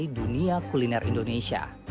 dunia kuliner indonesia